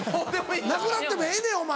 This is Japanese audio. なくなってもええねんお前。